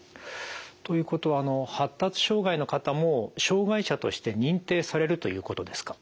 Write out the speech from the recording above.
ということは発達障害の方も障害者として認定されるということですか？